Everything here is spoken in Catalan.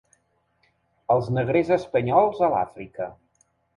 Els negrers espanyols a l’Àfrica.